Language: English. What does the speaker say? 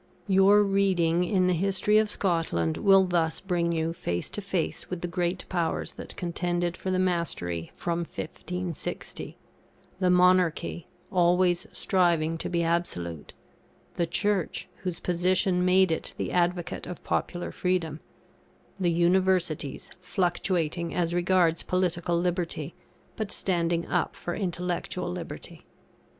Your reading in the History of Scotland will thus bring you face to face with the great powers that contended for the mastery from 1560: the Monarchy, always striving to be absolute; the Church, whose position made it the advocate of popular freedom; the Universities, fluctuating as regards political liberty, but standing up for intellectual liberty.